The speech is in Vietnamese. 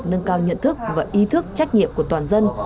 nâng cao nhận thức và ý thức trách nhiệm của toàn dân